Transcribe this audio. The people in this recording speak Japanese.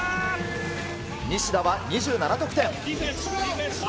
西田は２７得点。